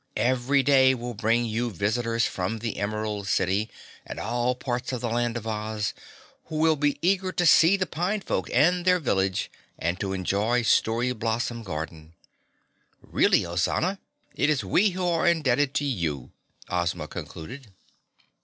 Every day will bring you visitors from the Emerald City and all parts of the Land of Oz who will be eager to see the pine folk and their village and to enjoy Story Blossom Garden. Really, Ozana, it is we who are indebted to you," Ozma concluded.